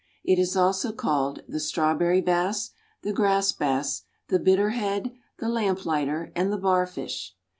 It is also called the Strawberry Bass, the Grass Bass, the Bitter Head, the Lamp lighter and the Barfish.